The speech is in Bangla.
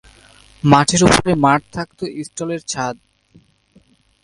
মাঠের ওপরে থাকত স্টিলের ছাদ।